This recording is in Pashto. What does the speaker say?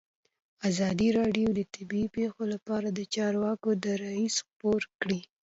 ازادي راډیو د طبیعي پېښې لپاره د چارواکو دریځ خپور کړی.